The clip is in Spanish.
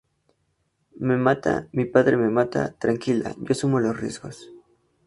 me mata, mi padre me mata. tranquila, yo asumo los riesgos.